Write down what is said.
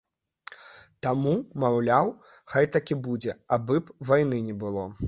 Таму, маўляў, хай так і будзе, абы б вайны не было.